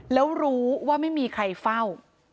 แล้วรู้ว่าไม่มีใครเฝ้า